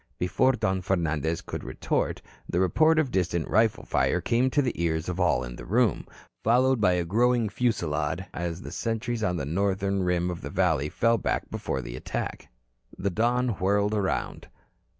Before Don Fernandez could retort, the report of distant rifle fire came to the ears of all in the room, followed by a growing fusillade as the sentries on the northern rim of the valley fell back before attack. The Don whirled around.